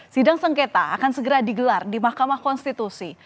sidang sengketa akan segera digelar di mahkamah konstitusi